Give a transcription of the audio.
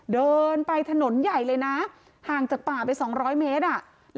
เดินไปถนนใหญ่เลยนะห่างจากป่าไป๒๐๐เมตรอ่ะ